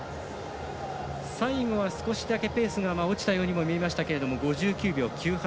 最後は少しだけペースが落ちたようにも見えましたけど５９秒９８。